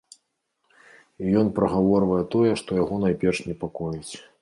І ён прагаворвае тое, што яго найперш непакоіць.